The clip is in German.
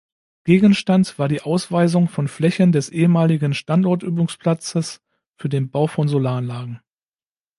Gegenstand war die Ausweisung von Flächen des ehemaligen Standortübungsplatzes für den Bau von Solaranlagen.